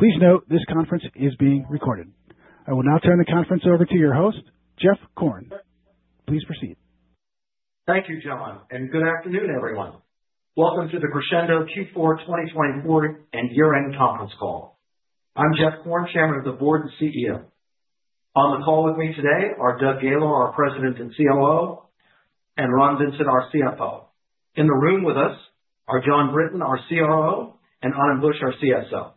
Please note this conference is being recorded. I will now turn the conference over to your host, Jeff Korn. Please proceed. Thank you, Jon, and good afternoon, everyone. Welcome to the Crexendo Q4 2024 and year-end conference call. I'm Jeff Korn, Chairman of the Board and CEO. On the call with me today are Doug Gaylor, our President and COO, and Ron Vincent, our CFO. In the room with us are Jon Brinton, our CRO, and Anand Buch, our CSO.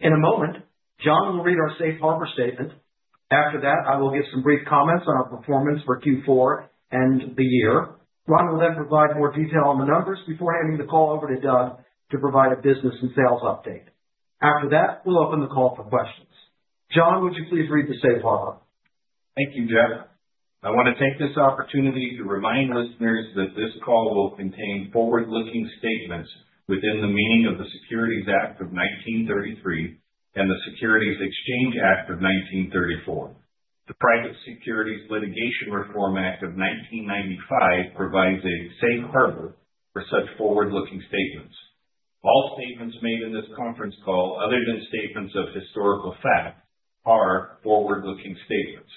In a moment, Jon will read our Safe Harbor statement. After that, I will give some brief comments on our performance for Q4 and the year. Ron will then provide more detail on the numbers before handing the call over to Doug to provide a business and sales update. After that, we'll open the call for questions. Jon, would you please read the Safe Harbor? Thank you, Jeff. I want to take this opportunity to remind listeners that this call will contain forward-looking statements within the meaning of the Securities Act of 1933 and the Securities Exchange Act of 1934. The Private Securities Litigation Reform Act of 1995 provides a Safe Harbor for such forward-looking statements. All statements made in this conference call, other than statements of historical fact, are forward-looking statements.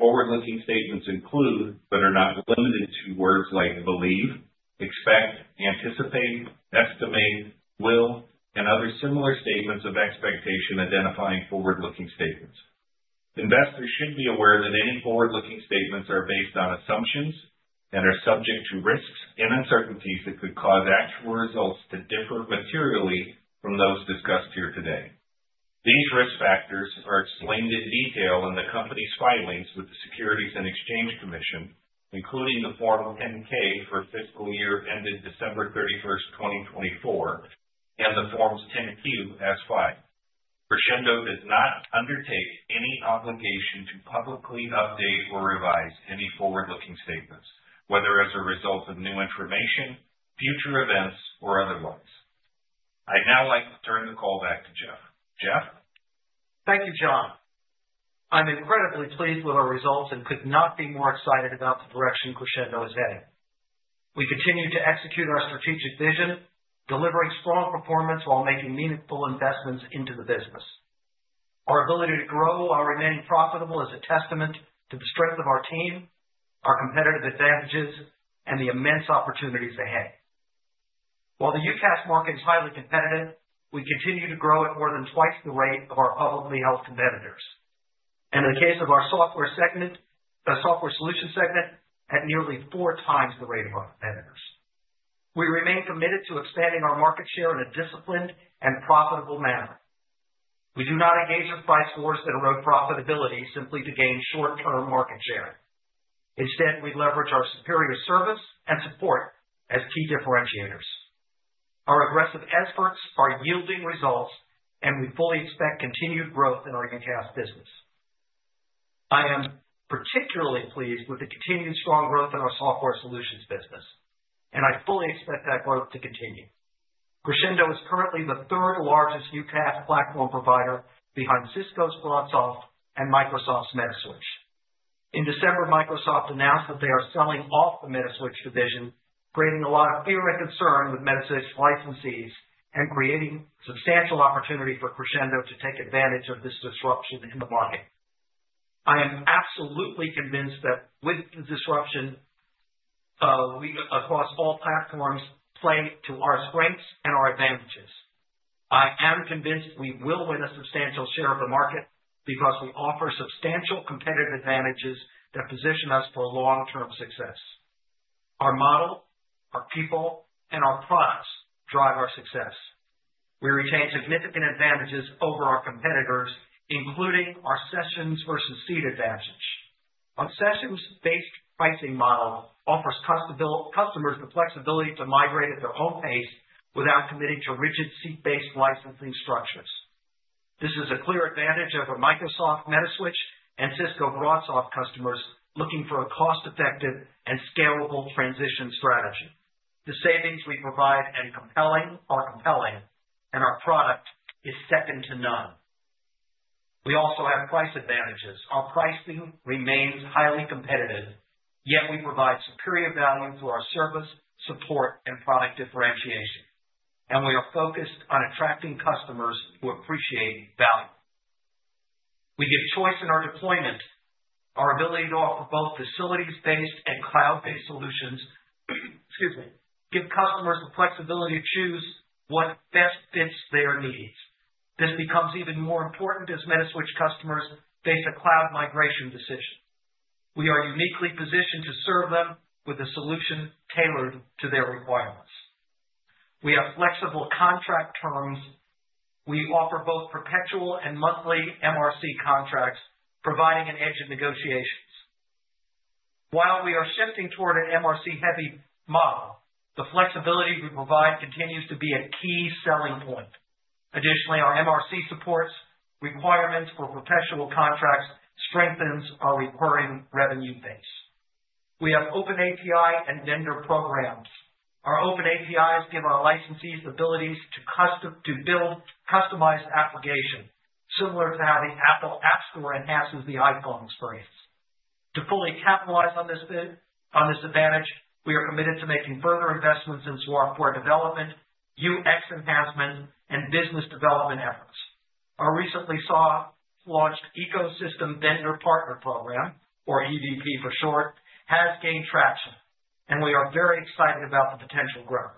Forward-looking statements include, but are not limited to, words like believe, expect, anticipate, estimate, will, and other similar statements of expectation identifying forward-looking statements. Investors should be aware that any forward-looking statements are based on assumptions and are subject to risks and uncertainties that could cause actual results to differ materially from those discussed here today. These risk factors are explained in detail in the company's filings with the Securities and Exchange Commission, including the Form 10-K for fiscal year ended December 31st, 2024, and the Forms 10-Q as filed. Crexendo does not undertake any obligation to publicly update or revise any forward-looking statements, whether as a result of new information, future events, or otherwise. I'd now like to turn the call back to Jeff. Jeff? Thank you, Jon. I'm incredibly pleased with our results and could not be more excited about the direction Crexendo is heading. We continue to execute our strategic vision, delivering strong performance while making meaningful investments into the business. Our ability to grow while remaining profitable is a testament to the strength of our team, our competitive advantages, and the immense opportunities ahead. While the UCaaS market is highly competitive, we continue to grow at more than twice the rate of our publicly held competitors. In the case of our software solution segment, at nearly four times the rate of our competitors. We remain committed to expanding our market share in a disciplined and profitable manner. We do not engage with price wars that erode profitability simply to gain short-term market share. Instead, we leverage our superior service and support as key differentiators. Our aggressive efforts are yielding results, and we fully expect continued growth in our UCaaS business. I am particularly pleased with the continued strong growth in our software solutions business, and I fully expect that growth to continue. Crexendo is currently the third largest UCaaS platform provider behind Cisco's BroadSoft and Microsoft's Metaswitch. In December, Microsoft announced that they are selling off the Metaswitch division, creating a lot of fear and concern with Metaswitch licensees and creating substantial opportunity for Crexendo to take advantage of this disruption in the market. I am absolutely convinced that with the disruption, we across all platforms play to our strengths and our advantages. I am convinced we will win a substantial share of the market because we offer substantial competitive advantages that position us for long-term success. Our model, our people, and our products drive our success. We retain significant advantages over our competitors, including our sessions versus seat advantage. Our sessions-based pricing model offers customers the flexibility to migrate at their own pace without committing to rigid seat-based licensing structures. This is a clear advantage for our Microsoft Metaswitch and Cisco BroadSoft customers looking for a cost-effective and scalable transition strategy. The savings we provide are compelling, and our product is second to none. We also have price advantages. Our pricing remains highly competitive, yet we provide superior value through our service, support, and product differentiation. We are focused on attracting customers who appreciate value. We give choice in our deployment, our ability to offer both facilities-based and cloud-based solutions. Excuse me. We give customers the flexibility to choose what best fits their needs. This becomes even more important as Metaswitch customers face a cloud migration decision. We are uniquely positioned to serve them with a solution tailored to their requirements. We have flexible contract terms. We offer both perpetual and monthly MRC contracts, providing an edge in negotiations. While we are shifting toward an MRC-heavy model, the flexibility we provide continues to be a key selling point. Additionally, our MRC supports requirements for perpetual contracts, strengthens our recurring revenue base. We have open API and vendor programs. Our open APIs give our licensees the ability to build customized applications similar to how the Apple App Store enhances the iPhone experience. To fully capitalize on this advantage, we are committed to making further investments in software development, UX enhancement, and business development efforts. Our recently launched Ecosystem Vendor Partner Program, or EVP for short, has gained traction, and we are very excited about the potential growth.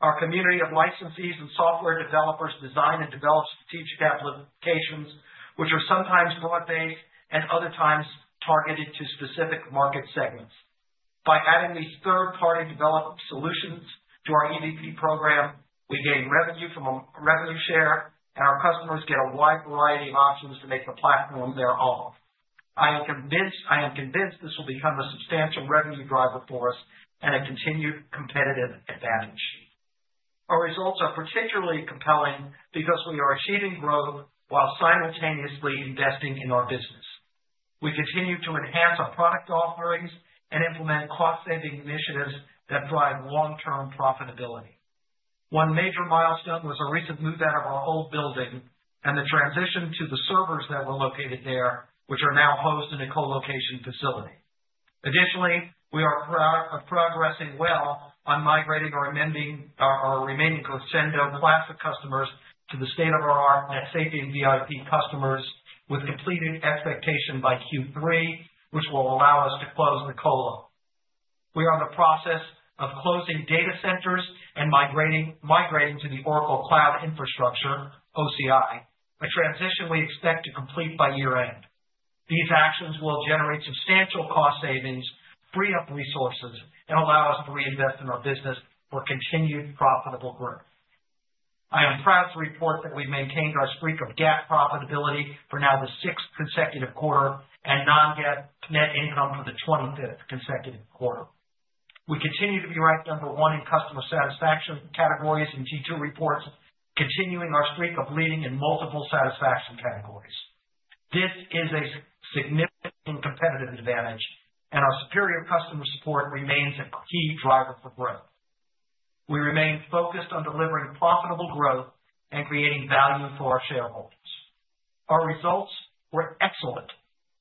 Our community of licensees and software developers design and develop strategic applications, which are sometimes broad-based and other times targeted to specific market segments. By adding these third-party developed solutions to our EVP program, we gain revenue from a revenue share, and our customers get a wide variety of options to make the platform their own. I am convinced this will become a substantial revenue driver for us and a continued competitive advantage. Our results are particularly compelling because we are achieving growth while simultaneously investing in our business. We continue to enhance our product offerings and implement cost-saving initiatives that drive long-term profitability. One major milestone was a recent move out of our old building and the transition to the servers that were located there, which are now hosted in a co-location facility. Additionally, we are progressing well on migrating our remaining Crexendo Classic customers to the state-of-the-art NetSapiens and VIP customers with completed expectation by Q3, which will allow us to close the colo. We are in the process of closing data centers and migrating to the Oracle Cloud Infrastructure (OCI), a transition we expect to complete by year-end. These actions will generate substantial cost savings, free up resources, and allow us to reinvest in our business for continued profitable growth. I am proud to report that we've maintained our streak of GAAP profitability for now the sixth consecutive quarter and non-GAAP net income for the 25th consecutive quarter. We continue to be ranked number one in customer satisfaction categories in Q2 reports, continuing our streak of leading in multiple satisfaction categories. This is a significant competitive advantage, and our superior customer support remains a key driver for growth. We remain focused on delivering profitable growth and creating value for our shareholders. Our results were excellent,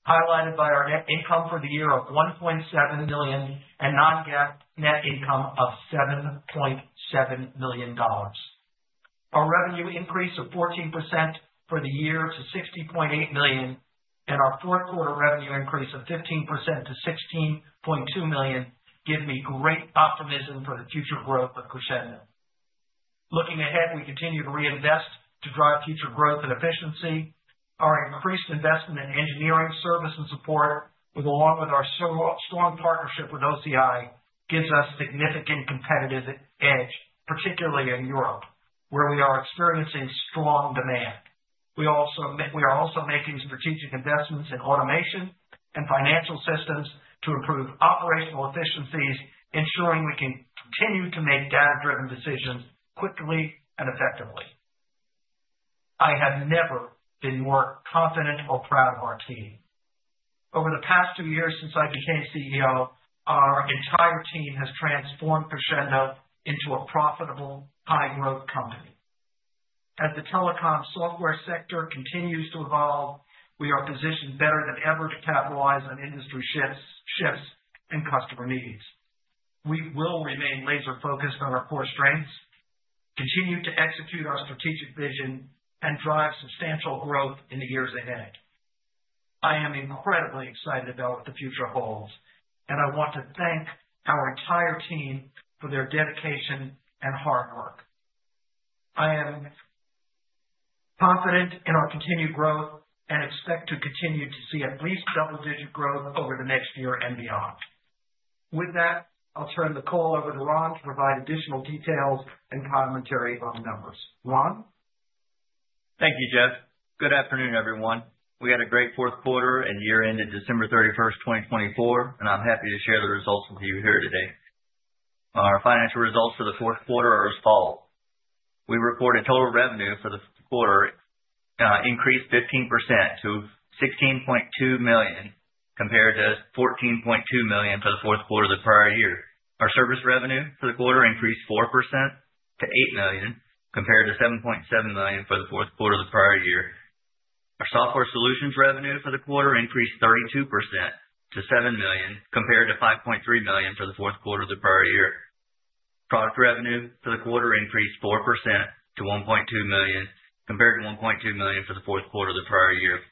highlighted by our net income for the year of $1.7 million and non-GAAP net income of $7.7 million. Our revenue increased 14% for the year to $60.8 million, and our fourth quarter revenue increased 15% to $16.2 million, gives me great optimism for the future growth of Crexendo. Looking ahead, we continue to reinvest to drive future growth and efficiency. Our increased investment in engineering, service, and support, along with our strong partnership with OCI, gives us significant competitive edge, particularly in Europe, where we are experiencing strong demand. We are also making strategic investments in automation and financial systems to improve operational efficiencies, ensuring we can continue to make data-driven decisions quickly and effectively. I have never been more confident or proud of our team. Over the past two years since I became CEO, our entire team has transformed Crexendo into a profitable, high-growth company. As the telecom software sector continues to evolve, we are positioned better than ever to capitalize on industry shifts and customer needs. We will remain laser-focused on our core strengths, continue to execute our strategic vision, and drive substantial growth in the years ahead. I am incredibly excited about what the future holds, and I want to thank our entire team for their dedication and hard work. I am confident in our continued growth and expect to continue to see at least double-digit growth over the next year and beyond. With that, I'll turn the call over to Ron to provide additional details and commentary on the numbers. Ron? Thank you, Jeff. Good afternoon, everyone. We had a great fourth quarter, and year-ended December 31st, 2024, and I'm happy to share the results with you here today. Our financial results for the fourth quarter are as follows. We reported total revenue for the quarter increased 15% to $16.2 million compared to $14.2 million for the fourth quarter of the prior year. Our service revenue for the quarter increased 4% to $8 million compared to $7.7 million for the fourth quarter of the prior year. Our software solutions revenue for the quarter increased 32% to $7 million compared to $5.3 million for the fourth quarter of the prior year. Product revenue for the quarter increased 4% to $1.2 million compared to $1.2 million for the fourth quarter of the prior year.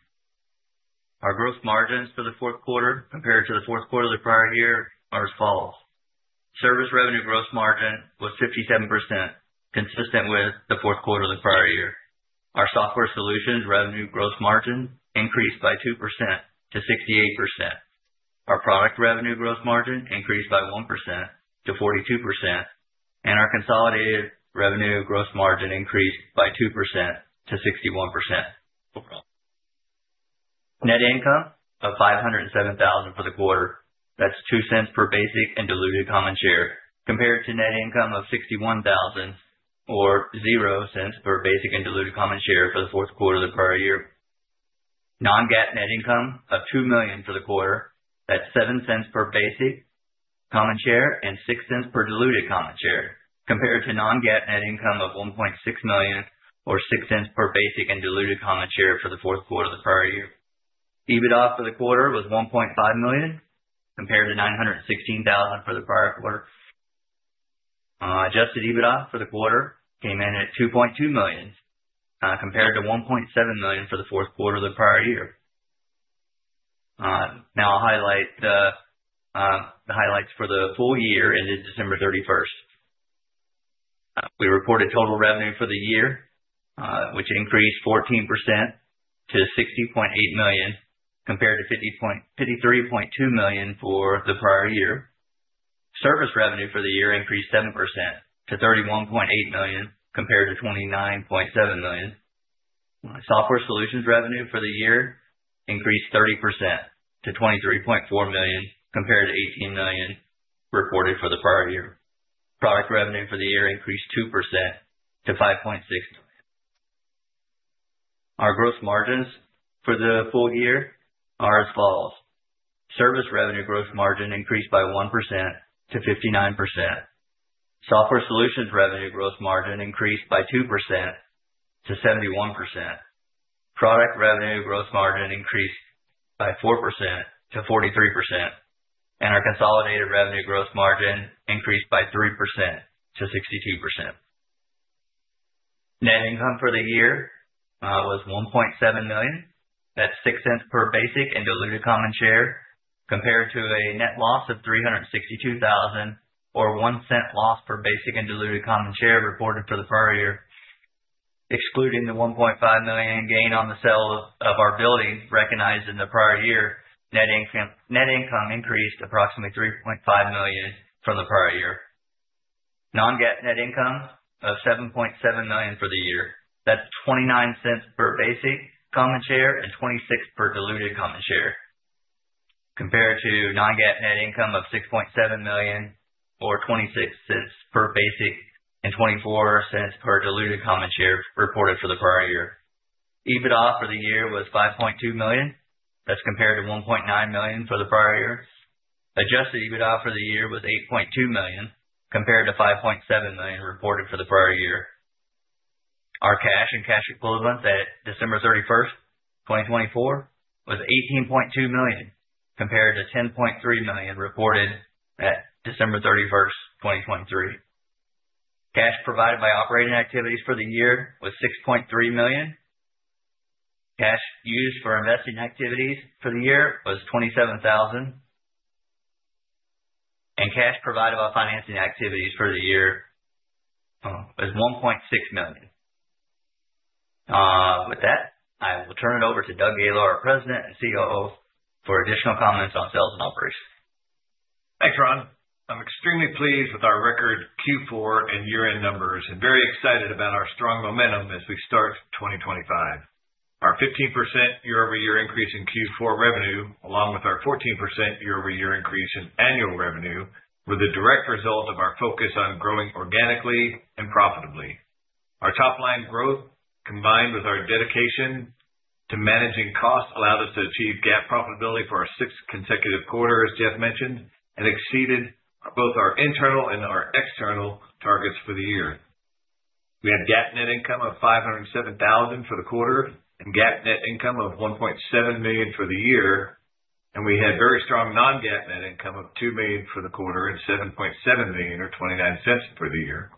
Our gross margins for the fourth quarter compared to the fourth quarter of the prior year are as follows. Service revenue gross margin was 57%, consistent with the fourth quarter of the prior year. Our software solutions revenue gross margin increased by 2% to 68%. Our product revenue gross margin increased by 1% to 42%, and our consolidated revenue gross margin increased by 2% to 61%. Net income of $507,000 for the quarter. That's $0.02 per basic and diluted common share compared to net income of $61,000 or $0.00 per basic and diluted common share for the fourth quarter of the prior year. Non-GAAP net income of $2 million for the quarter. That's $0.07 per basic common share and $0.06 per diluted common share compared to non-GAAP net income of $1.6 million or $0.06 per basic and diluted common share for the fourth quarter of the prior year. EBITDA for the quarter was $1.5 million compared to $916,000 for the prior quarter. Adjusted EBITDA for the quarter came in at $2.2 million compared to $1.7 million for the fourth quarter of the prior year. Now, I'll highlight the highlights for the full year ended December 31. We reported total revenue for the year, which increased 14% to $60.8 million compared to $53.2 million for the prior year. Service revenue for the year increased 7% to $31.8 million compared to $29.7 million. Software solutions revenue for the year increased 30% to $23.4 million compared to $18 million reported for the prior year. Product revenue for the year increased 2% to $5.6 million. Our gross margins for the full year are as follows. Service revenue gross margin increased by 1%-59%. Software solutions revenue gross margin increased by 2%-71%. Product revenue gross margin increased by 4%-43%. Our consolidated revenue gross margin increased by 3% to 62%. Net income for the year was $1.7 million. That's $0.06 per basic and diluted common share compared to a net loss of $362,000 or $0.01 loss per basic and diluted common share reported for the prior year. Excluding the $1.5 million gain on the sale of our building recognized in the prior year, net income increased approximately $3.5 million from the prior year. Non-GAAP net income of $7.7 million for the year. That's $0.29 per basic common share and $0.26 per diluted common share compared to non-GAAP net income of $6.7 million or $0.26 per basic and $0.24 per diluted common share reported for the prior year. EBITDA for the year was $5.2 million. That's compared to $1.9 million for the prior year. Adjusted EBITDA for the year was $8.2 million compared to $5.7 million reported for the prior year. Our cash and cash equivalent at December 31st, 2024, was $18.2 million compared to $10.3 million reported at December 31st, 2023. Cash provided by operating activities for the year was $6.3 million. Cash used for investing activities for the year was $27,000. Cash provided by financing activities for the year was $1.6 million. With that, I will turn it over to Doug Gaylor, our President and COO, for additional comments on sales and operations. Thanks, Ron. I'm extremely pleased with our record Q4 and year-end numbers and very excited about our strong momentum as we start 2025. Our 15% year-over-year increase in Q4 revenue, along with our 14% year-over-year increase in annual revenue, were the direct result of our focus on growing organically and profitably. Our top-line growth, combined with our dedication to managing costs, allowed us to achieve GAAP profitability for our sixth consecutive quarter, as Jeff mentioned, and exceeded both our internal and our external targets for the year. We had GAAP net income of $507,000 for the quarter and GAAP net income of $1.7 million for the year, and we had very strong non-GAAP net income of $2 million for the quarter and $7.7 million or $0.29 for the year.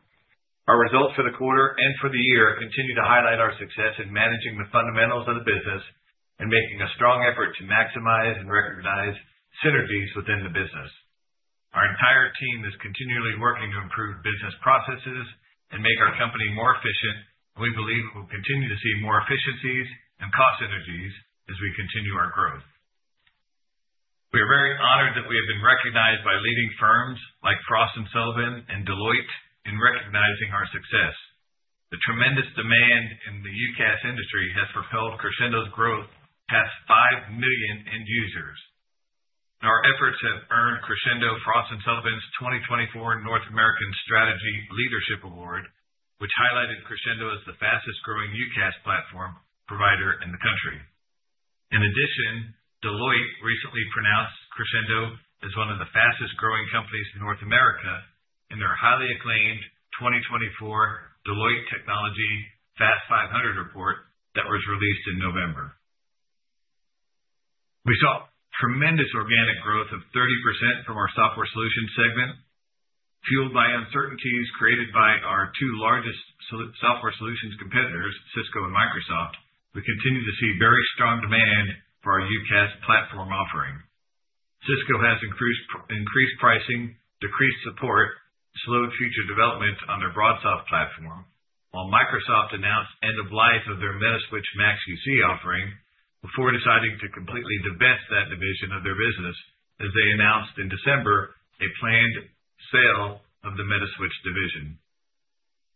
Our results for the quarter and for the year continue to highlight our success in managing the fundamentals of the business and making a strong effort to maximize and recognize synergies within the business. Our entire team is continually working to improve business processes and make our company more efficient, and we believe we will continue to see more efficiencies and cost synergies as we continue our growth. We are very honored that we have been recognized by leading firms like Frost & Sullivan and Deloitte in recognizing our success. The tremendous demand in the UCaaS industry has propelled Crexendo's growth past 5 million end users. Our efforts have earned Crexendo Frost & Sullivan's 2024 North American Strategy Leadership Award, which highlighted Crexendo as the fastest-growing UCaaS platform provider in the country. In addition, Deloitte recently pronounced Crexendo as one of the fastest-growing companies in North America in their highly acclaimed 2024 Deloitte Technology Fast 500 report that was released in November. We saw tremendous organic growth of 30% from our software solutions segment. Fueled by uncertainties created by our two largest software solutions competitors, Cisco and Microsoft, we continue to see very strong demand for our UCaaS platform offering. Cisco has increased pricing, decreased support, slowed future development on their BroadSoft platform, while Microsoft announced the end of life of their Metaswitch Max UC offering before deciding to completely divest that division of their business as they announced in December a planned sale of the Metaswitch division.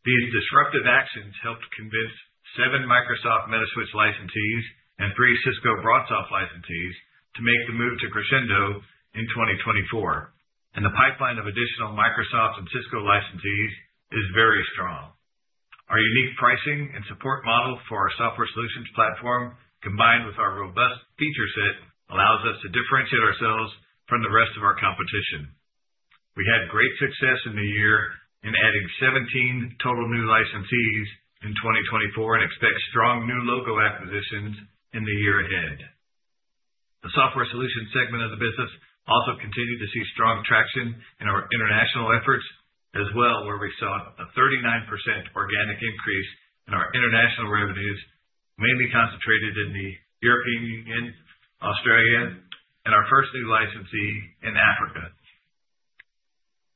These disruptive actions helped convince seven Microsoft Metaswitch licensees and three Cisco BroadSoft licensees to make the move to Crexendo in 2024, and the pipeline of additional Microsoft and Cisco licensees is very strong. Our unique pricing and support model for our software solutions platform, combined with our robust feature set, allows us to differentiate ourselves from the rest of our competition. We had great success in the year in adding 17 total new licensees in 2024 and expect strong new logo acquisitions in the year ahead. The software solutions segment of the business also continued to see strong traction in our international efforts as well, where we saw a 39% organic increase in our international revenues, mainly concentrated in the European Union, Australia, and our first new licensee in Africa.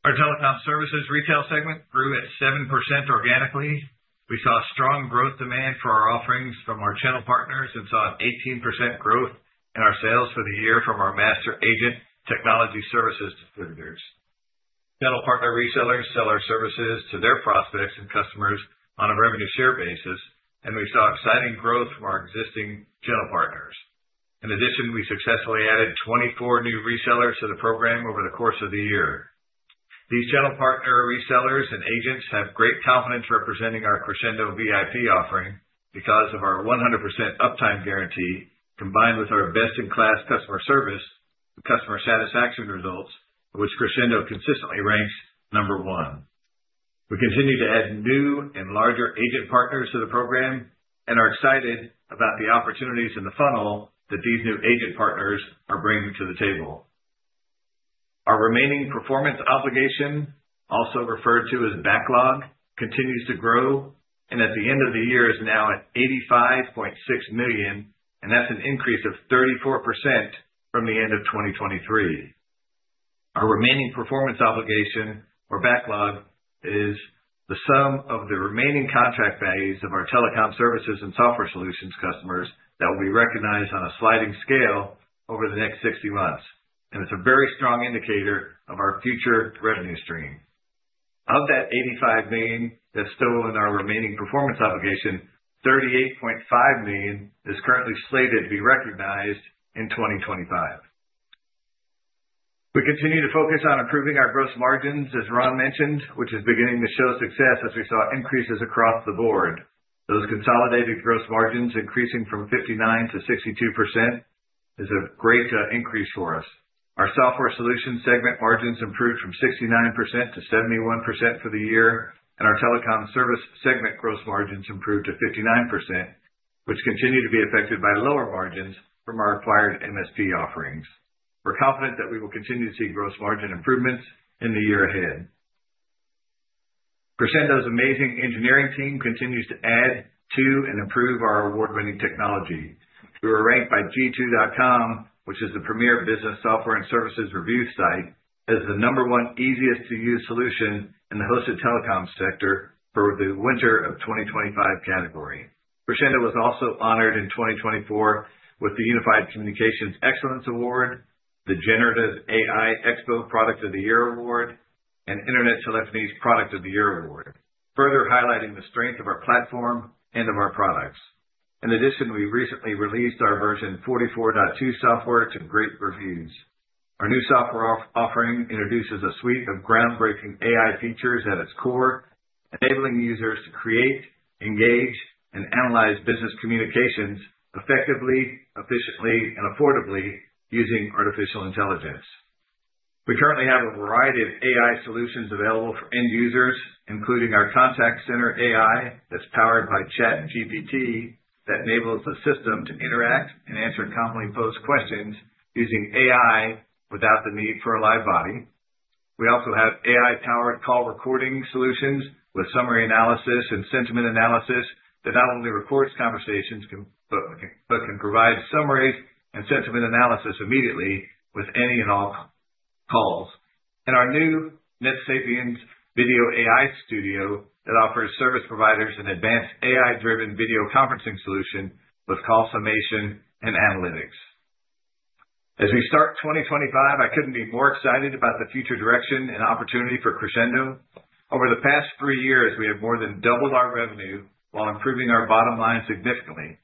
Our telecom services retail segment grew at 7% organically. We saw strong growth demand for our offerings from our channel partners and saw an 18% growth in our sales for the year from our master agent technology services distributors. Channel partner resellers sell our services to their prospects and customers on a revenue share basis, and we saw exciting growth from our existing channel partners. In addition, we successfully added 24 new resellers to the program over the course of the year. These channel partner resellers and agents have great confidence representing our Crexendo VIP offering because of our 100% uptime guarantee, combined with our best-in-class customer service and customer satisfaction results, which Crexendo consistently ranks number one. We continue to add new and larger agent partners to the program and are excited about the opportunities in the funnel that these new agent partners are bringing to the table. Our remaining performance obligation, also referred to as backlog, continues to grow and at the end of the year is now at $85.6 million, and that's an increase of 34% from the end of 2023. Our remaining performance obligation, or backlog, is the sum of the remaining contract values of our telecom services and software solutions customers that will be recognized on a sliding scale over the next 60 months, and it's a very strong indicator of our future revenue stream. Of that $85 million that's still in our remaining performance obligation, $38.5 million is currently slated to be recognized in 2025. We continue to focus on improving our gross margins, as Ron mentioned, which is beginning to show success as we saw increases across the board. Those consolidated gross margins increasing from 59% to 62% is a great increase for us. Our software solutions segment margins improved from 69% to 71% for the year, and our telecom service segment gross margins improved to 59%, which continue to be affected by lower margins from our acquired MSP offerings. We're confident that we will continue to see gross margin improvements in the year ahead. Crexendo's amazing engineering team continues to add to and improve our award-winning technology. We were ranked by G2.com, which is the premier business software and services review site, as the number one easiest-to-use solution in the hosted telecom sector for the winter of 2025 category. Crexendo was also honored in 2024 with the Unified Communications Excellence Award, the Generative AI Expo Product of the Year Award, and Internet Telephony's Product of the Year Award, further highlighting the strength of our platform and of our products. In addition, we recently released our version 44.2 software to great reviews. Our new software offering introduces a suite of groundbreaking AI features at its core, enabling users to create, engage, and analyze business communications effectively, efficiently, and affordably using artificial intelligence. We currently have a variety of AI solutions available for end users, including our contact center AI that's powered by ChatGPT that enables the system to interact and answer commonly posed questions using AI without the need for a live body. We also have AI-powered call recording solutions with summary analysis and sentiment analysis that not only records conversations but can provide summaries and sentiment analysis immediately with any and all calls. Our new NetSapiens Video AI Studio offers service providers an advanced AI-driven video conferencing solution with call summation and analytics. As we start 2025, I couldn't be more excited about the future direction and opportunity for Crexendo. Over the past three years, we have more than doubled our revenue while improving our bottom line significantly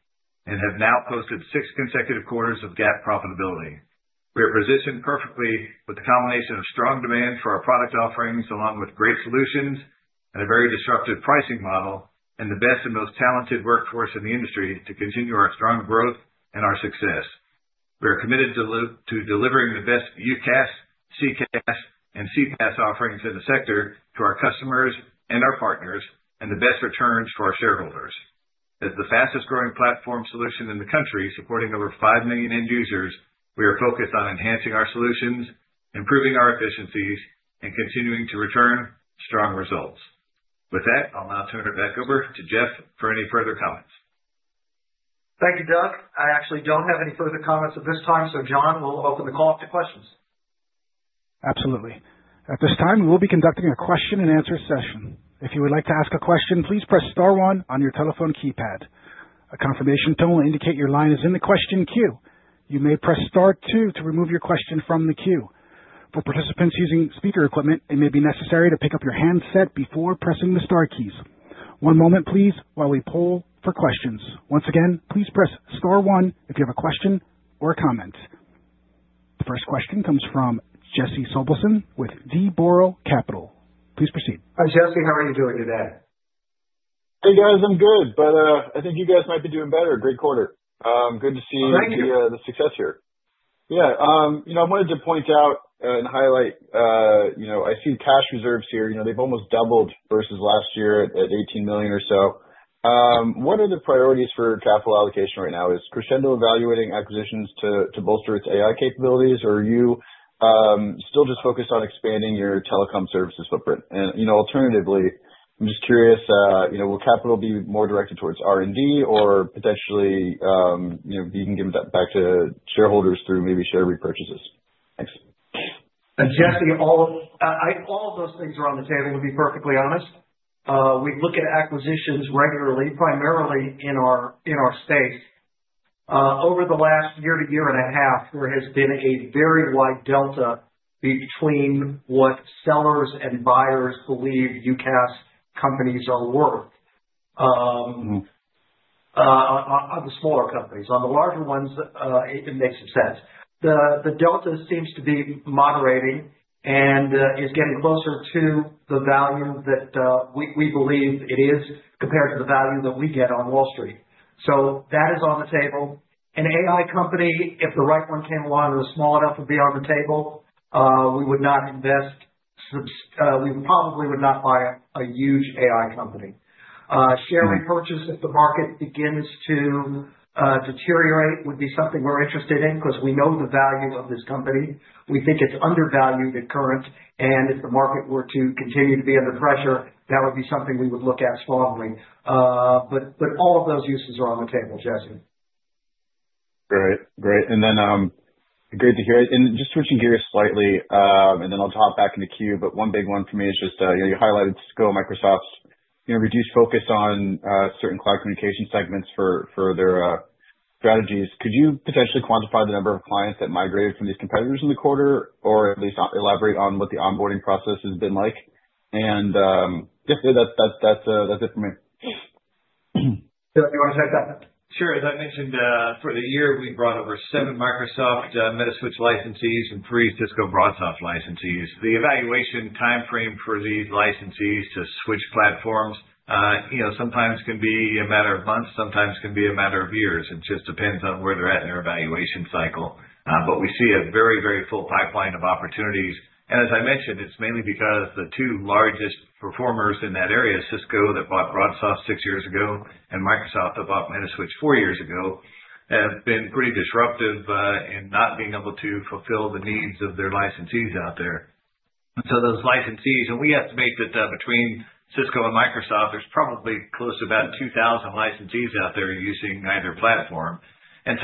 and have now posted six consecutive quarters of GAAP profitability. We are positioned perfectly with the combination of strong demand for our product offerings along with great solutions and a very disruptive pricing model and the best and most talented workforce in the industry to continue our strong growth and our success. We are committed to delivering the best UCaaS, CCaaS, and CPaaS offerings in the sector to our customers and our partners and the best returns for our shareholders. As the fastest-growing platform solution in the country supporting over 5 million end users, we are focused on enhancing our solutions, improving our efficiencies, and continuing to return strong results. With that, I'll now turn it back over to Jeff for any further comments. Thank you, Doug. I actually don't have any further comments at this time, so Jon will open the call up to questions. Absolutely. At this time, we will be conducting a question-and-answer session. If you would like to ask a question, please press star one on your telephone keypad. A confirmation tone will indicate your line is in the question queue. You may press star two to remove your question from the queue. For participants using speaker equipment, it may be necessary to pick up your handset before pressing the star keys. One moment, please, while we poll for questions. Once again, please press star one if you have a question or a comment. The first question comes from Jesse Sobelson with D. Boral Capital. Please proceed. Hi, Jesse. How are you doing today? Hey, guys. I'm good, but I think you guys might be doing better. Great quarter. Good to see the success here. Yeah. I wanted to point out and highlight I see cash reserves here. They've almost doubled versus last year at $18 million or so. One of the priorities for capital allocation right now is Crexendo evaluating acquisitions to bolster its AI capabilities, or are you still just focused on expanding your telecom services footprint? Alternatively, I'm just curious, will capital be more directed towards R&D or potentially being given back to shareholders through maybe share repurchases? Thanks. Jesse, all of those things are on the table, to be perfectly honest. We look at acquisitions regularly, primarily in our space. Over the last year to year and a half, there has been a very wide delta between what sellers and buyers believe UCaaS companies are worth on the smaller companies. On the larger ones, it makes some sense. The delta seems to be moderating and is getting closer to the value that we believe it is compared to the value that we get on Wall Street. That is on the table. An AI company, if the right one came along and was small enough to be on the table, we would not invest; we probably would not buy a huge AI company. Share repurchase, if the market begins to deteriorate, would be something we're interested in because we know the value of this company. We think it's undervalued at current, and if the market were to continue to be under pressure, that would be something we would look at strongly. All of those uses are on the table, Jesse. Great. Great. Great to hear it. Just switching gears slightly, and then I'll hop back in the queue, but one big one for me is just you highlighted Cisco and Microsoft's reduced focus on certain cloud communication segments for their strategies. Could you potentially quantify the number of clients that migrated from these competitors in the quarter, or at least elaborate on what the onboarding process has been like? Yeah, that's it for me. Does anyone want to take that? Sure. As I mentioned, for the year, we brought over seven Microsoft Metaswitch licensees and three Cisco BroadSoft licensees. The evaluation timeframe for these licensees to switch platforms sometimes can be a matter of months, sometimes it can be a matter of years. It just depends on where they're at in their evaluation cycle. We see a very, very full pipeline of opportunities. As I mentioned, it's mainly because the two largest performers in that area, Cisco that bought BroadSoft six years ago and Microsoft that bought Metaswitch four years ago, have been pretty disruptive in not being able to fulfill the needs of their licensees out there. Those licensees, and we estimate that between Cisco and Microsoft, there's probably close to about 2,000 licensees out there using either platform.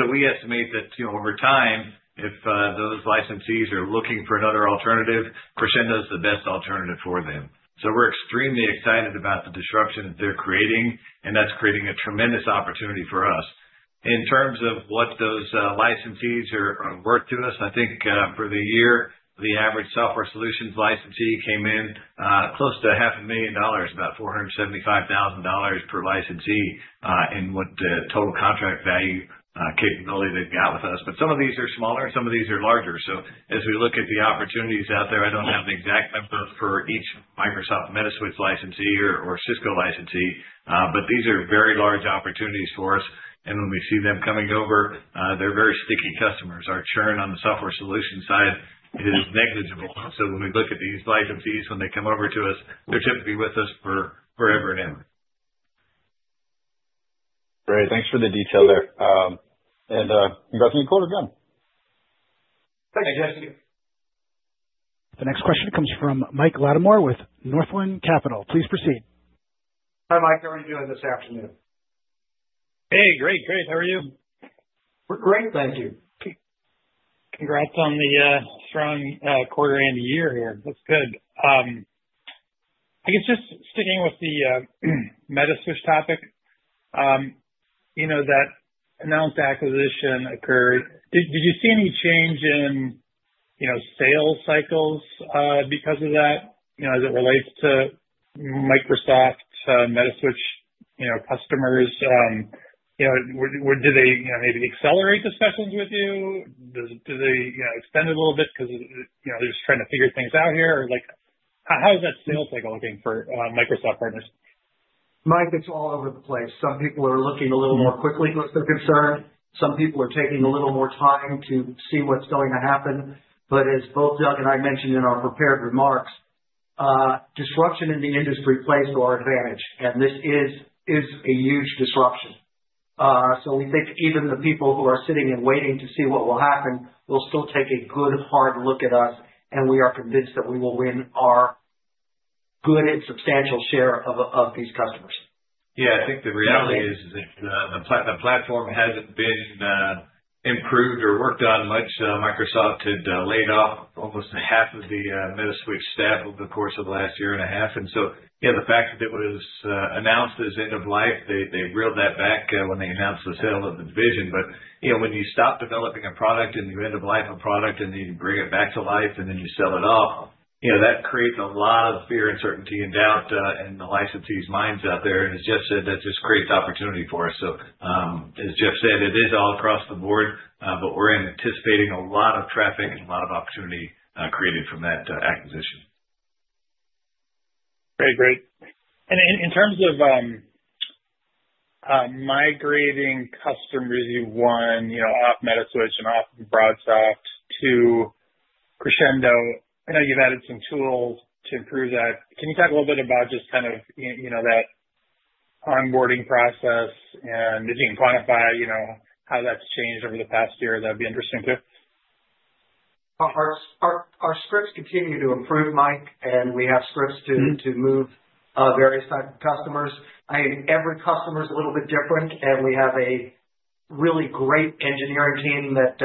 We estimate that over time, if those licensees are looking for another alternative, Crexendo is the best alternative for them. We are extremely excited about the disruption that they are creating, and that is creating a tremendous opportunity for us. In terms of what those licensees are worth to us, I think for the year, the average software solutions licensee came in close to $500,000, about $475,000 per licensee in what the total contract value capability they have with us. Some of these are smaller, and some of these are larger. As we look at the opportunities out there, I do not have an exact number for each Microsoft Metaswitch licensee or Cisco licensee, but these are very large opportunities for us. When we see them coming over, they are very sticky customers. Our churn on the software solution side is negligible. When we look at these licensees, when they come over to us, they're typically with us forever and ever. Great. Thanks for the detail there. And congrats on your quarter, Jon. Thank you, Jesse. The next question comes from Mike Latimore with Northland Capital. Please proceed. Hi, Mike. How are you doing this afternoon? Hey, great. How are you? We're great. Thank you. Congrats on the strong quarter and a year here. That's good. I guess just sticking with the Metaswitch topic, that announced acquisition occurred. Did you see any change in sales cycles because of that as it relates to Microsoft Metaswitch customers? Did they maybe accelerate discussions with you? Did they extend it a little bit because they're just trying to figure things out here? How is that sales cycle looking for Microsoft partners? Mike, it's all over the place. Some people are looking a little more quickly because they're concerned. Some people are taking a little more time to see what's going to happen. As both Doug and I mentioned in our prepared remarks, disruption in the industry plays to our advantage, and this is a huge disruption. We think even the people who are sitting and waiting to see what will happen will still take a good, hard look at us, and we are convinced that we will win our good and substantial share of these customers. Yeah. I think the reality is that the platform hasn't been improved or worked on much. Microsoft had laid off almost half of the Metaswitch staff over the course of the last year and a half. The fact that it was announced as end of life, they reeled that back when they announced the sale of the division. When you stop developing a product and you end of life a product and then you bring it back to life and then you sell it off, that creates a lot of fear and certainty and doubt in the licensee's minds out there. As Jeff said, that just creates opportunity for us. As Jeff said, it is all across the board, but we're anticipating a lot of traffic and a lot of opportunity created from that acquisition. Great. Great. In terms of migrating customers, you won off Metaswitch and off BroadSoft to Crexendo. I know you've added some tools to improve that. Can you talk a little bit about just kind of that onboarding process and if you can quantify how that's changed over the past year? That'd be interesting too. Our scripts continue to improve, Mike, and we have scripts to move various types of customers. I mean, every customer is a little bit different, and we have a really great engineering team that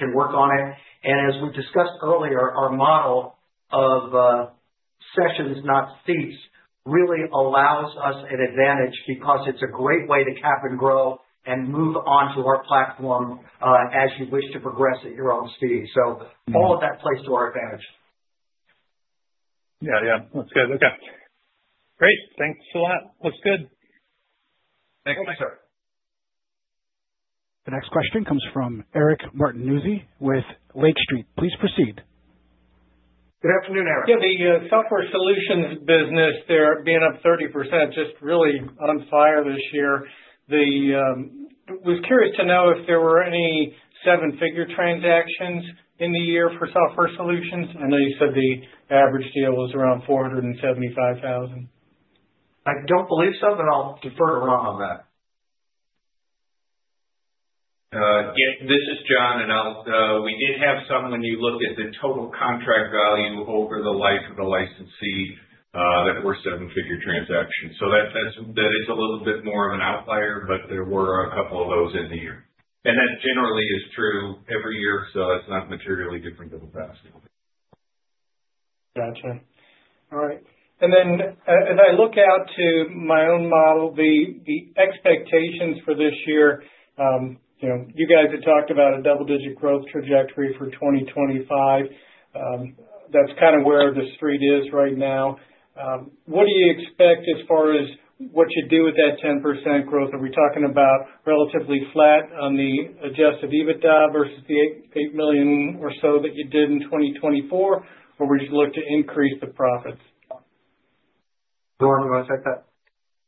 can work on it. As we discussed earlier, our model of sessions, not seats, really allows us an advantage because it's a great way to cap and grow and move on to our platform as you wish to progress at your own speed. All of that plays to our advantage. Yeah. Yeah. That's good. Okay. Great. Thanks a lot. Looks good. Thanks, sir. The next question comes from Eric Martinuzzi with Lake Street. Please proceed. Good afternoon, Eric. Yeah. The software solutions business, they're being up 30%, just really on fire this year. I was curious to know if there were any seven-figure transactions in the year for software solutions. I know you said the average deal was around $475,000. I don't believe so, but I'll defer to Ron on that. Yep. This is Jon. We did have some, when you looked at the total contract value over the life of the licensee, that were seven-figure transactions. That is a little bit more of an outlier, but there were a couple of those in the year. That generally is true every year, so it's not materially different than the past year. Gotcha. All right. As I look out to my own model, the expectations for this year, you guys had talked about a double-digit growth trajectory for 2025. That's kind of where the street is right now. What do you expect as far as what you do with that 10% growth? Are we talking about relatively flat on the adjusted EBITDA versus the $8 million or so that you did in 2024, or would you look to increase the profits? Ron, you want to take that?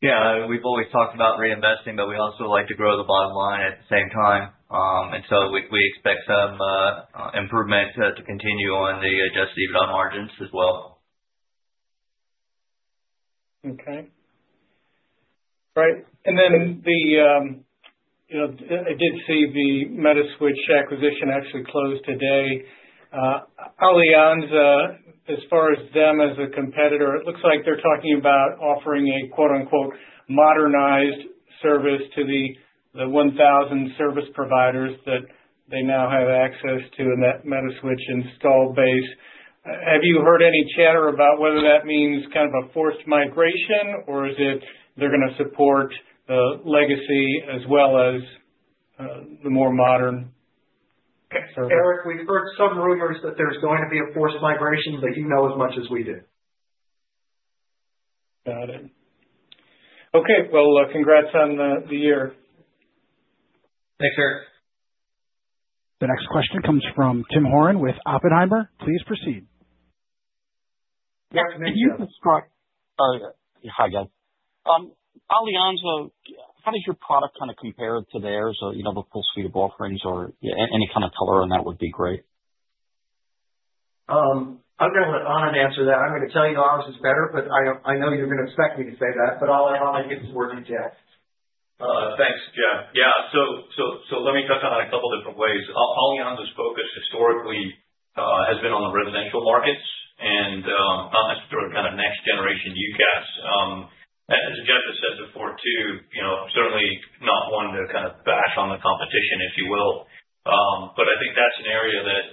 Yeah. We've always talked about reinvesting, but we also like to grow the bottom line at the same time. We expect some improvement to continue on the adjusted EBITDA margins as well. Okay. Great. I did see the Metaswitch acquisition actually closed today. Alianza, as far as them as a competitor, it looks like they're talking about offering a "modernized service" to the 1,000 service providers that they now have access to in that Metaswitch installed base. Have you heard any chatter about whether that means kind of a forced migration, or is it they're going to support the legacy as well as the more modern service? Eric, we've heard some rumors that there's going to be a forced migration, but you know as much as we do. Got it. Okay. Congrats on the year. Thanks, sir. The next question comes from Tim Horan with Oppenheimer. Please proceed. Yeah. Can you describe? Hi, guys. Alianza, how does your product kind of compare to theirs? The full suite of offerings or any kind of color on that would be great. I'm going to answer that. I'm going to tell you ours is better, but I know you're going to expect me to say that, but I'll give some more detail. Thanks, Jeff. Yeah. Let me touch on that a couple of different ways. Alianza's focus historically has been on the residential markets and not necessarily kind of next-generation UCaaS. As Jeff said before, too, certainly not one to kind of bash on the competition, if you will. I think that's an area that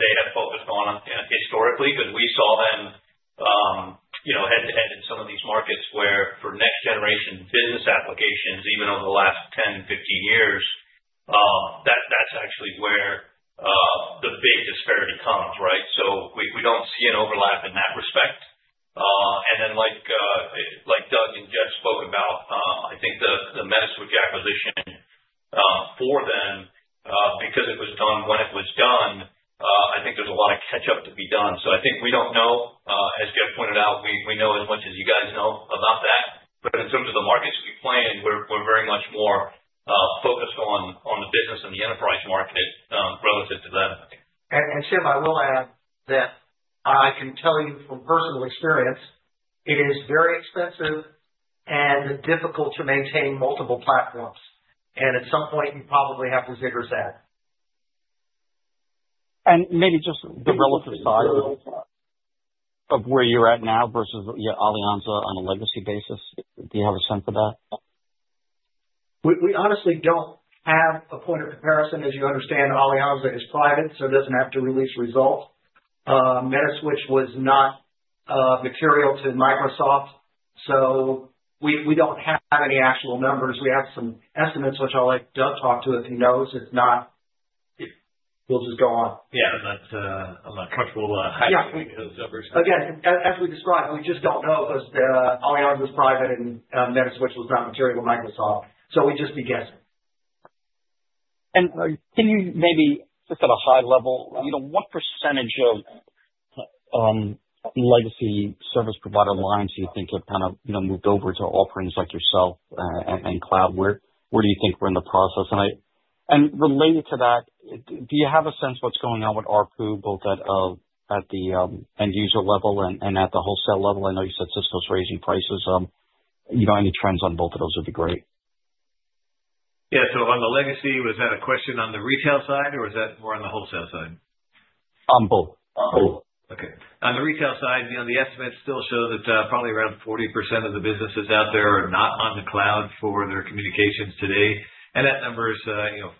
they have focused on historically because we saw them head-to-head in some of these markets where for next-generation business applications, even over the last 10-15 years, that's actually where the big disparity comes, right? We do not see an overlap in that respect. Like Doug and Jeff spoke about, I think the Metaswitch acquisition for them, because it was done when it was done, I think there's a lot of catch-up to be done. I think we don't know, as Jeff pointed out, we know as much as you guys know about that. In terms of the markets we play in, we're very much more focused on the business and the enterprise market relative to them. Tim, I will add that I can tell you from personal experience, it is very expensive and difficult to maintain multiple platforms. At some point, you probably have to [inaudible] that. Maybe just the relative size of where you're at now versus Alianza on a legacy basis. Do you have a sense of that? We honestly don't have a point of comparison. As you understand, Alianza is private, so it doesn't have to release results. Metaswitch was not material to Microsoft, so we don't have any actual numbers. We have some estimates, which I'll let Doug talk to if he knows. If not, we'll just go on. Yeah. I'm not comfortable highlighting those numbers. Again, as we described, we just don't know because Alianza is private and Metaswitch was not material to Microsoft. So we'd just be guessing. Can you maybe just at a high level, what percentage of legacy service provider lines do you think have kind of moved over to offerings like yourself and cloud? Where do you think we're in the process? Related to that, do you have a sense of what's going on with ARPU, both at the end-user level and at the wholesale level? I know you said Cisco's raising prices. Any trends on both of those would be great. Yeah. On the legacy, was that a question on the retail side, or was that more on the wholesale side? On both. Both. Okay. On the retail side, the estimates still show that probably around 40% of the businesses out there are not on the cloud for their communications today. That number is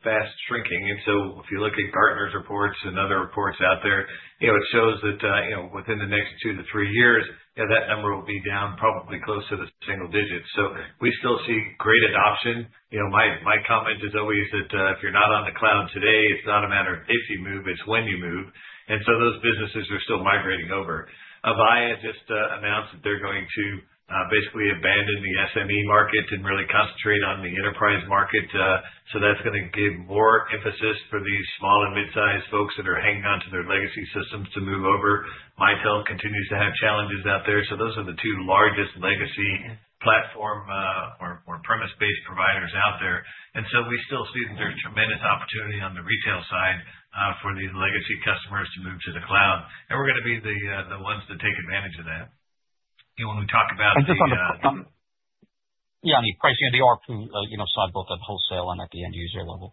fast shrinking. If you look at Gartner's reports and other reports out there, it shows that within the next two to three years, that number will be down probably close to the single digit. We still see great adoption. My comment is always that if you're not on the cloud today, it's not a matter of if you move, it's when you move. Those businesses are still migrating over. Avaya just announced that they're going to basically abandon the SME market and really concentrate on the enterprise market. That is going to give more emphasis for these small and mid-sized folks that are hanging on to their legacy systems to move over. Mitel continues to have challenges out there. Those are the two largest legacy platform or premise-based providers out there. We still see that there is tremendous opportunity on the retail side for these legacy customers to move to the cloud. We are going to be the ones to take advantage of that. When we talk about the. Just on the pricing of the ARPU side, both at wholesale and at the end-user level.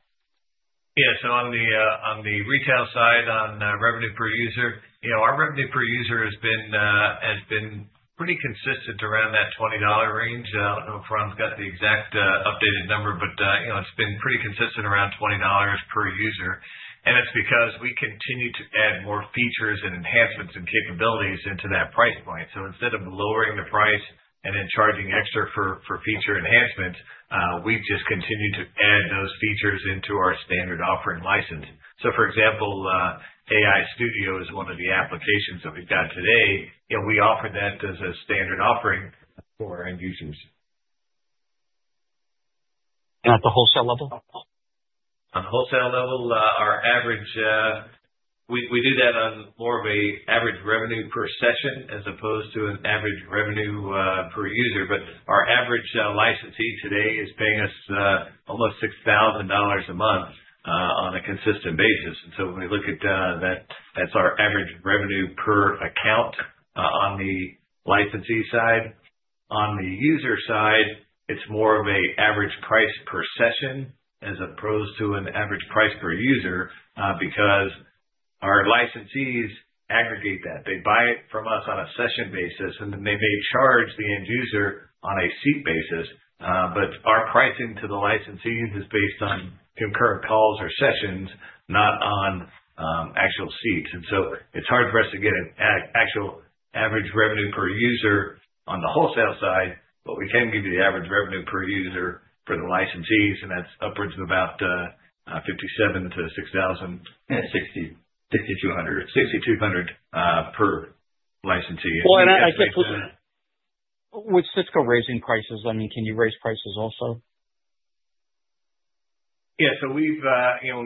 Yeah. On the retail side, on revenue per user, our revenue per user has been pretty consistent around that $20 range. I do not know if Ron's got the exact updated number, but it has been pretty consistent around $20 per user. It is because we continue to add more features and enhancements and capabilities into that price point. Instead of lowering the price and then charging extra for feature enhancements, we have just continued to add those features into our standard offering license. For example, AI Studio is one of the applications that we have got today. We offer that as a standard offering for our end users. At the wholesale level? On the wholesale level, our average, we do that on more of an average revenue per session as opposed to an average revenue per user. Our average licensee today is paying us almost $6,000 a month on a consistent basis. When we look at that, that's our average revenue per account on the licensee side. On the user side, it's more of an average price per session as opposed to an average price per user because our licensees aggregate that. They buy it from us on a session basis, and they may charge the end user on a seat basis. Our pricing to the licensees is based on concurrent calls or sessions, not on actual seats. It's hard for us to get an actual average revenue per user on the wholesale side, but we can give you the average revenue per user for the licensees, and that's upwards of about $5,700 to $6,000, $6,200, $6,200 per licensee. I think with Cisco raising prices, I mean, can you raise prices also? Yeah. When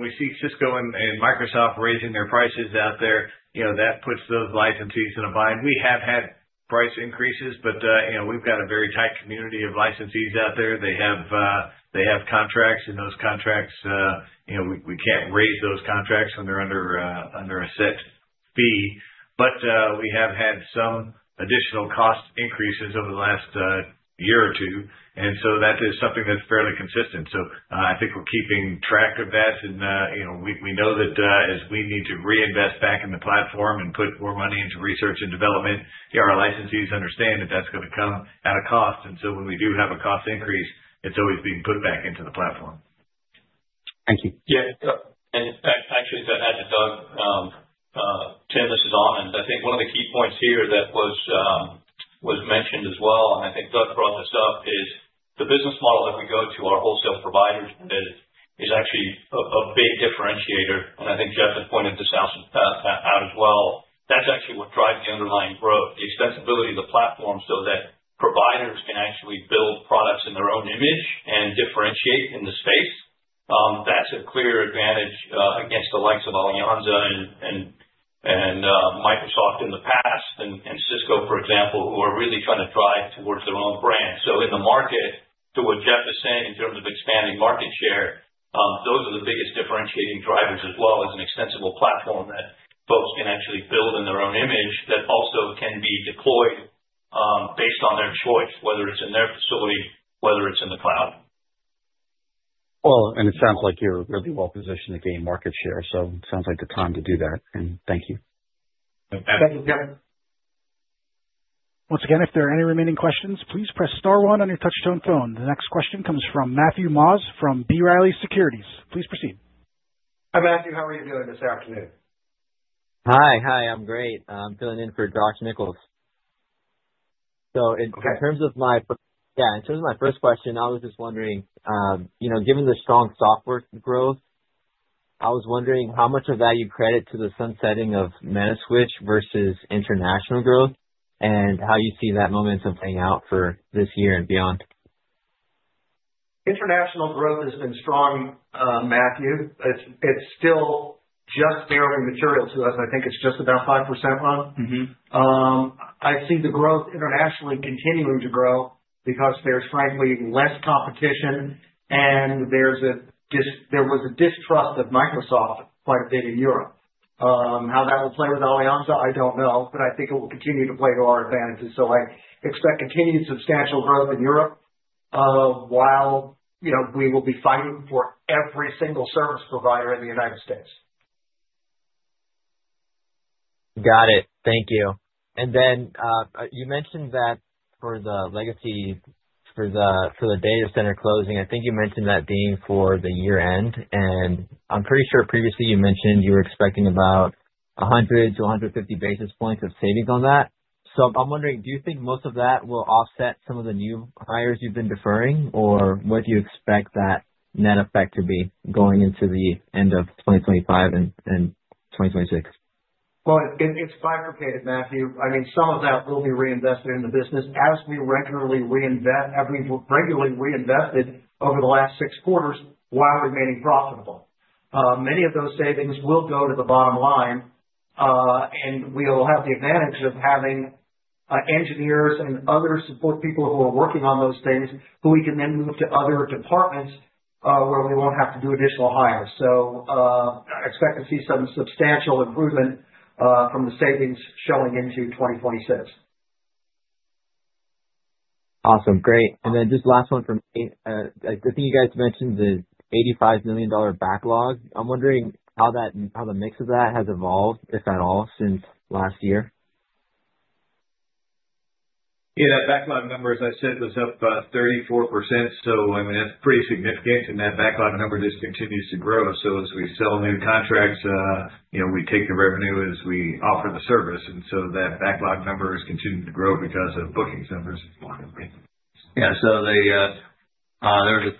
we see Cisco and Microsoft raising their prices out there, that puts those licensees in a bind. We have had price increases, but we've got a very tight community of licensees out there. They have contracts, and those contracts, we can't raise those contracts when they're under a set fee. We have had some additional cost increases over the last year or two. That is something that's fairly consistent. I think we're keeping track of that. We know that as we need to reinvest back in the platform and put more money into research and development, our licensees understand that that's going to come at a cost. When we do have a cost increase, it's always being put back into the platform. Thank you. Yeah. Actually, Doug, Tim, this is Anand. I think one of the key points here that was mentioned as well, and I think Doug brought this up, is the business model that we go to our wholesale providers with is actually a big differentiator. I think Jeff had pointed this out as well. That is actually what drives the underlying growth, the extensibility of the platform so that providers can actually build products in their own image and differentiate in the space. That is a clear advantage against the likes of Alianza and Microsoft in the past and Cisco, for example, who are really trying to drive towards their own brand. In the market, to what Jeff is saying in terms of expanding market share, those are the biggest differentiating drivers as well as an extensible platform that folks can actually build in their own image that also can be deployed based on their choice, whether it's in their facility, whether it's in the cloud. It sounds like you're really well-positioned to gain market share. It sounds like the time to do that. Thank you. Thank you, Tim. Once again, if there are any remaining questions, please press star one on your touchstone phone. The next question comes from Matthew Maus from B. Riley Securities. Please proceed. Hi, Matthew. How are you doing this afternoon? Hi. I'm great. I'm filling in for Josh Nichols. In terms of my first question, I was just wondering, given the strong software growth, I was wondering how much of that you credit to the sunsetting of Metaswitch versus international growth and how you see that momentum playing out for this year and beyond. International growth has been strong, Matthew. It's still just barely material to us. I think it's just about 5% run. I see the growth internationally continuing to grow because there's, frankly, less competition, and there was a distrust of Microsoft quite a bit in Europe. How that will play with Alianza, I don't know, but I think it will continue to play to our advantage. I expect continued substantial growth in Europe while we will be fighting for every single service provider in the United States. Got it. Thank you. You mentioned that for the legacy, for the data center closing, I think you mentioned that being for the year-end. I'm pretty sure previously you mentioned you were expecting about 100-150 basis points of savings on that. I'm wondering, do you think most of that will offset some of the new hires you've been deferring, or what do you expect that net effect to be going into the end of 2025 and 2026? It's bifurcated, Matthew. I mean, some of that will be reinvested in the business as we regularly reinvested over the last six quarters while remaining profitable. Many of those savings will go to the bottom line, and we will have the advantage of having engineers and other support people who are working on those things who we can then move to other departments where we won't have to do additional hires. I expect to see some substantial improvement from the savings showing into 2026. Awesome. Great. Just last one for me. I think you guys mentioned the $85 million backlog. I'm wondering how the mix of that has evolved, if at all, since last year. Yeah. That backlog number, as I said, was up 34%. I mean, that's pretty significant. That backlog number just continues to grow. As we sell new contracts, we take the revenue as we offer the service. That backlog number has continued to grow because of bookings numbers. Yeah. There was a 24%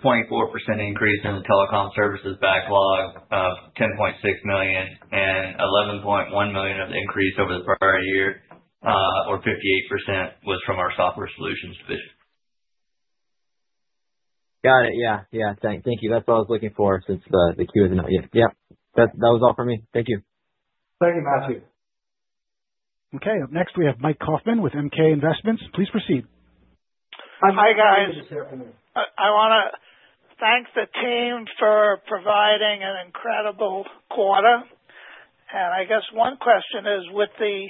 increase in the telecom services backlog, $10.6 million, and $11.1 million of the increase over the prior year, or 58%, was from our software solutions division. Got it. Yeah. Thank you. That's what I was looking for since the queue isn't—yeah. Yep. That was all for me. Thank you. Thank you, Matthew. Okay. Next, we have Mike Kaufman with MK Investments. Please proceed. Hi, guys. I want to thank the team for providing an incredible quarter. I guess one question is, with the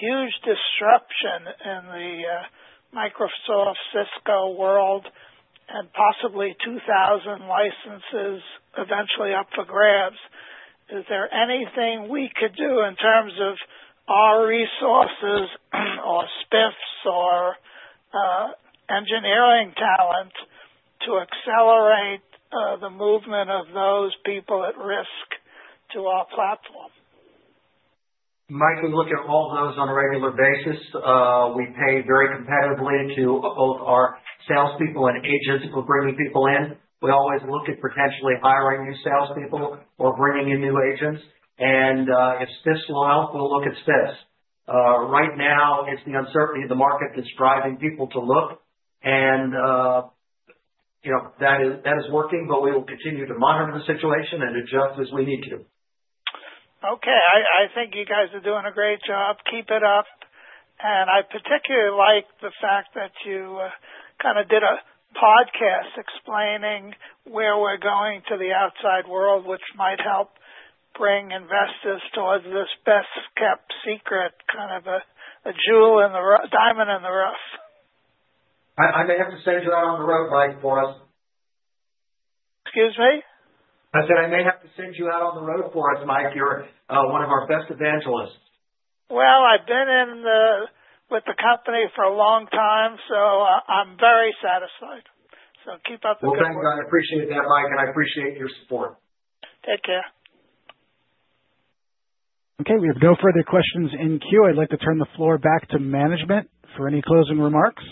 huge disruption in the Microsoft Cisco world and possibly 2,000 licenses eventually up for grabs, is there anything we could do in terms of our resources or spiffs or engineering talent to accelerate the movement of those people at risk to our platform? Mike would look at all those on a regular basis. We pay very competitively to both our salespeople and agents for bringing people in. We always look at potentially hiring new salespeople or bringing in new agents. If spiffs want out, we will look at spiffs. Right now, it is the uncertainty of the market that is driving people to look. That is working, but we will continue to monitor the situation and adjust as we need to. Okay. I think you guys are doing a great job. Keep it up. I particularly like the fact that you kind of did a podcast explaining where we're going to the outside world, which might help bring investors towards this best-kept secret, kind of a jewel and a diamond in the rough. I may have to send you out on the road, Mike, for us. Excuse me? I said I may have to send you out on the road for us, Mike. You're one of our best evangelists. I have been with the company for a long time, so I am very satisfied. Keep up the good work. Thank you. I appreciate that, Mike, and I appreciate your support. Take care. Okay. We have no further questions in queue. I'd like to turn the floor back to management for any closing remarks.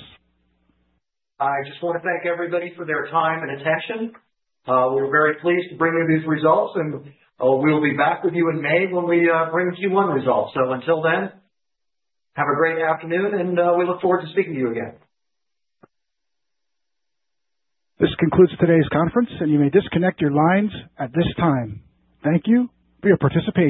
I just want to thank everybody for their time and attention. We are very pleased to bring you these results, and we will be back with you in May when we bring Q1 results. Until then, have a great afternoon, and we look forward to speaking to you again. This concludes today's conference, and you may disconnect your lines at this time. Thank you for your participation.